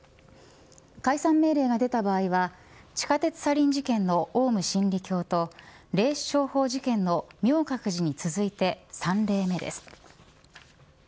解散命令が出た場合は地下鉄サリン事件のオウム真理教と霊視商法事件の明覚寺に続いて３例目です。